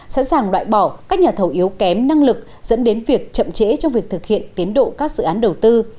sẵn sàng loại bỏ các nhà thầu yếu kém năng lực dẫn đến việc chậm trễ trong việc thực hiện tiến độ các dự án đầu tư